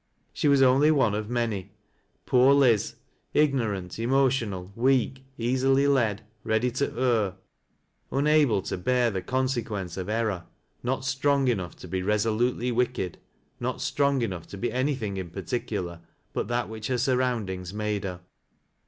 She waf only one of many — poor Liz, ignorant, emotional, weakj easily led, ready to err, unable to bear the consequences of error_ not strong enough to be resolutely wicked, nol Rtrong enough to bo anything in particular, but that wliicl) her surroundings made her.